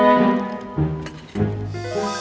terima kasih mbak